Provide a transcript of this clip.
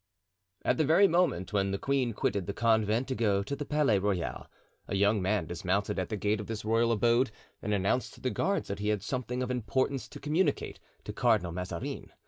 At the very moment when the queen quitted the convent to go to the Palais Royal, a young man dismounted at the gate of this royal abode and announced to the guards that he had something of importance to communicate to Cardinal Mazarin.